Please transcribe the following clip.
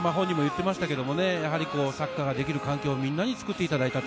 やはりサッカーができる環境をみんなに作っていただいたと。